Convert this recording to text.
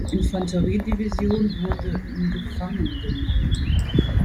Infanteriedivision wurden gefangen genommen.